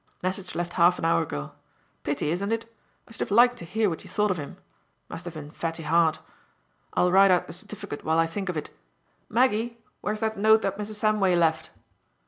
Message left half an hour go. Pity, isn't it? I should have liked to hear what you thought of him. Must have been fatty heart. I'll write out the certificate while I think of it. Maggie! Where's that note that Mrs. Samway left?"